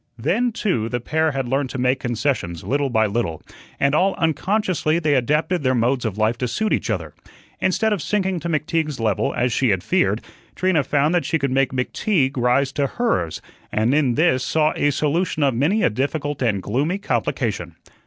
Then, too, the pair had learned to make concessions, little by little, and all unconsciously they adapted their modes of life to suit each other. Instead of sinking to McTeague's level as she had feared, Trina found that she could make McTeague rise to hers, and in this saw a solution of many a difficult and gloomy complication.